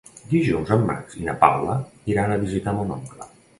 Dijous en Max i na Paula iran a visitar mon oncle.